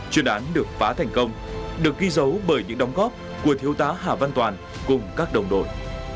chuyên án được phá thành công được ghi dấu bởi những đóng góp của thiếu tá hà văn toàn cùng các đồng đội